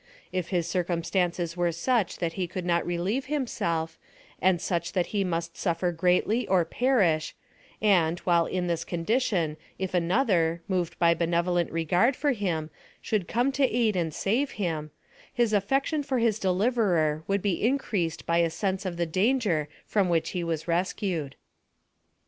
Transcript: If his circumstances were such that he could not relieve himself, and such that he must suffer greatly or perish ; and, while in this condition, if another, moved by benevolent regard for him, should come to aid and save him, his affection for his deliverer would be increased by a sense of the danger from which he was rescued.